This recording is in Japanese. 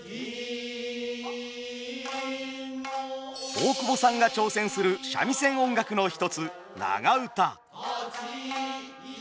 大久保さんが挑戦する三味線音楽の一つ「長唄」。